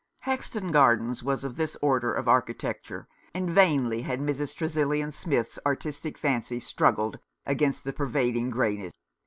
Hexton Gardens was of this order of architec ture, and vainly had Mrs. Tresillian Smith's artistic fancy struggled against the pervading greyness.